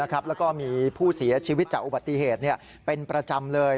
แล้วก็มีผู้เสียชีวิตจากอุบัติเหตุเป็นประจำเลย